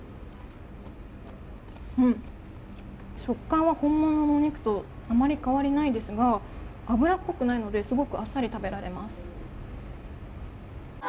うん、食感は本物のお肉とあまり変わりないですが油っぽくないのですごくあっさり食べられます。